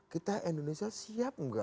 kita indonesia siap enggak